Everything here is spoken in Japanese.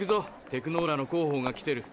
テクノーラの広報が来てる。